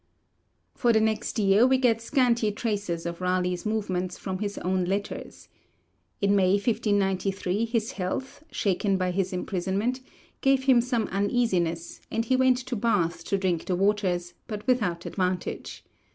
For the next year we get scanty traces of Raleigh's movements from his own letters. In May 1593 his health, shaken by his imprisonment, gave him some uneasiness, and he went to Bath to drink the waters, but without advantage.